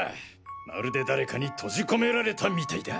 まるで誰かに閉じ込められたみたいだ。